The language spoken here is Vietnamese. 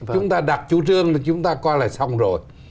chúng ta đặt chủ trương là chúng ta coi là xong rồi